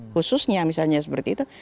khususnya misalnya seperti itu